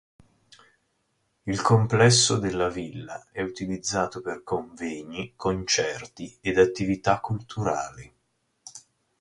Il complesso della villa è utilizzato per convegni, concerti ed attività culturali.